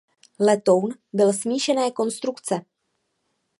Letoun byl smíšené konstrukce.